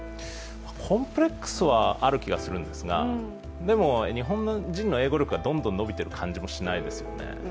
コンプレックスはある気がするんですが、でも、日本人の英語力がどんどん伸びている感じもしないですよね。